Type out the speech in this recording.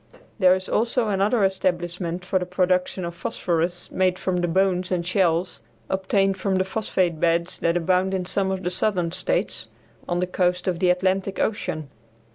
There is also another establishment for the production of phosphorus made from the bones and shells obtained from the phosphate beds that abound in some of the southern states, on the coast of the Atlantic Ocean.